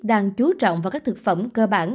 đang chú trọng vào các thực phẩm cơ bản